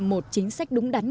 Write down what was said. một chính sách đúng đắn